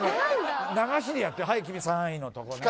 流しでやって「はい君３位のとこね」